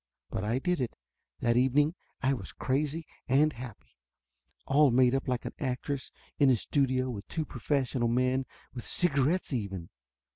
But I did it. That evening I was crazy, and happy. All made up like an actress, in a studio, with two profes sional men ; with cigarettes, even